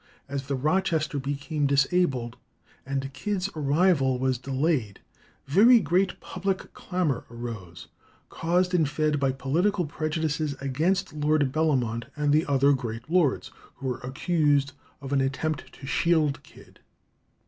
As the Rochester became disabled, and Kidd's arrival was delayed, very great public clamour arose, caused and fed by political prejudices against Lord Bellamont and the other great lords, who were accused of an attempt to shield Kidd.